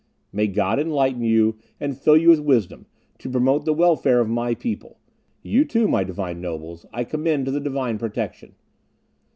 May God enlighten you, and fill you with wisdom, to promote the welfare of my people. You, too, my brave nobles, I commend to the divine protection.